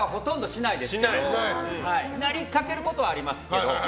なりかけることはありますけど。